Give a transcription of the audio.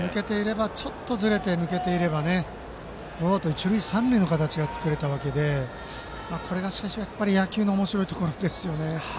ちょっとずれて抜けていればノーアウト、一塁三塁の形が作れたのでこれが野球のおもしろいところですよね。